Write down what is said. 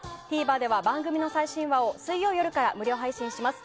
ＴＶｅｒでは番組の最新話を水曜夜から無料配信します。